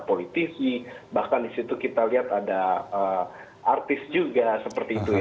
politisi bahkan di situ kita lihat ada artis juga seperti itu ya